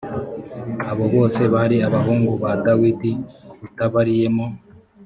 abo bose bari abahungu ba dawidi utabariyemo